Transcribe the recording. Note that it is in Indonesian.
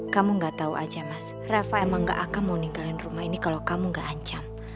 kamu gak tahu aja mas rafa emang gak akan mau ninggalin rumah ini kalau kamu gak ancam